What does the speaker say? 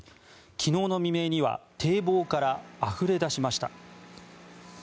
昨日の未明には堤防からあふれ出しました。